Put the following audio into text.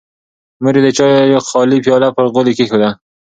مور یې د چایو خالي پیاله پر غولي کېښوده.